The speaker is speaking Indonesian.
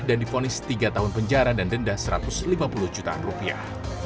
dan difonis tiga tahun penjara dan denda satu ratus lima puluh jutaan rupiah